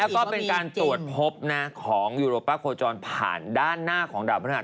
แล้วก็เป็นการตรวจพบของยูโรป้าโคจรผ่านด้านหน้าของดาวพฤหัส